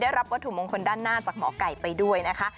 รับวัตถุมงคลด้านหน้าจากหมอไก่ไปด้วยนะคะ